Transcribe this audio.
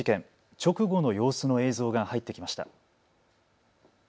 直後の様子の映像が入ってきました。